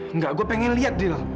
enggak gue pengen liat dil